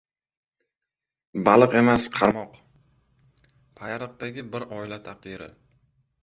Baliq emas qarmoq — Payariqdagi bir oila taqdiri